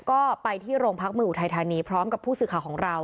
ก็ไปที่รงพักมืออุทัยธานีรห์พร้อมกับผู้ศึกษาของเรา